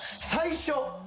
最初。